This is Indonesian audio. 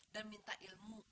dan minta ilmu